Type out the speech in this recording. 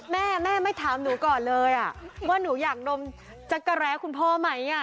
แม่แม่ไม่ถามหนูก่อนเลยว่าหนูอยากนมจักรแร้คุณพ่อไหม